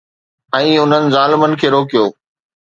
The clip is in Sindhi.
۽ انهن ظالمن کي روڪيو